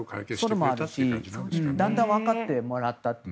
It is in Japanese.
それもあるし、だんだん分かってもらったという。